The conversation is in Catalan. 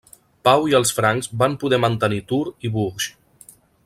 Pau i els francs van poder mantenir Tours i Bourges.